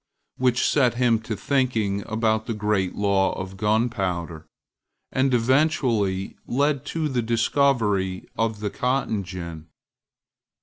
which set him to thinking about the great law of gunpowder, and eventually led to the discovery of the cotton gin.